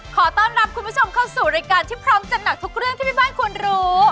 ขอต้อนรับคุณผู้ชมเข้าสู่รายการที่พร้อมจัดหนักทุกเรื่องที่แม่บ้านควรรู้